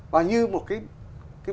và như một cái